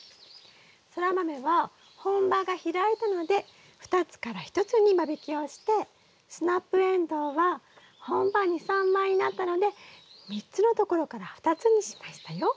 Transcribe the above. ソラマメは本葉が開いたので２つから１つに間引きをしてスナップエンドウは本葉２３枚になったので３つのところから２つにしましたよ。